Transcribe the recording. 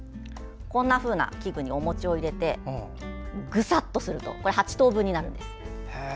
こんなふうな器具にお餅を入れてグサッとすると８等分になるんです。